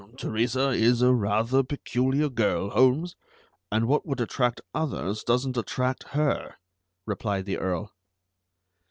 "Teresa is a rather peculiar girl, Holmes, and what would attract others doesn't attract her," replied the Earl.